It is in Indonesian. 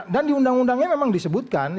dan di undang undangnya memang disebutkan